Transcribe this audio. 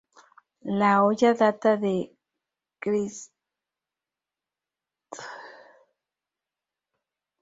La olla data de ca.